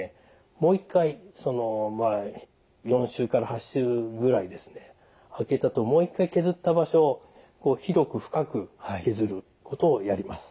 もう一回４週から８週ぐらい空けたあともう一回削った場所を広く深く削ることをやります。